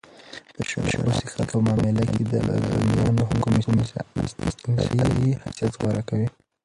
د شرابو څښل په معامله کښي د ذمیانو حکم استثنايي حیثت غوره کوي.